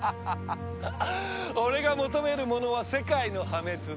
俺が求めるものは世界の破滅だ。